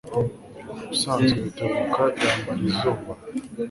Ubusanzwe Rutebuka yambara izuba?